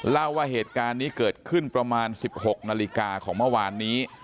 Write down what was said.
เล่าว่าเหตุการณ์นี้เกิดขึ้นประมาณ๑๖นาฬิกาของเมื่อวานนี้